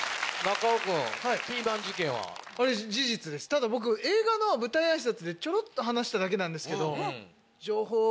ただ僕映画の舞台挨拶でちょろっと話しただけなんですけど。